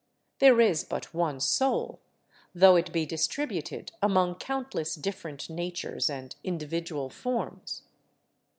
There is but one soul, though it be distributed among countless different natures and individual forms.